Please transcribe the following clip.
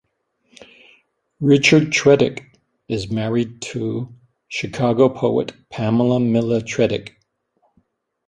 Richard Chwedyk is married to Chicago poet, Pamela Miller Chwedyk.